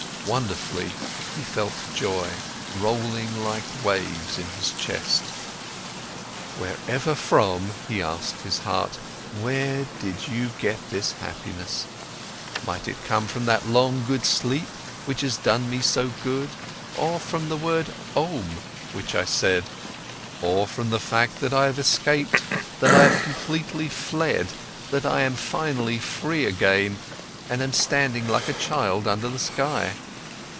Wonderfully, he felt joy rolling like waves in his chest. Wherever from, he asked his heart, where from did you get this happiness? Might it come from that long, good sleep, which has done me so good? Or from the word Om, which I said? Or from the fact that I have escaped, that I have completely fled, that I am finally free again and am standing like a child under the sky?